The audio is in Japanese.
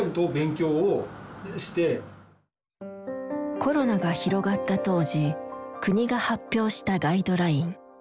コロナが広がった当時国が発表したガイドライン。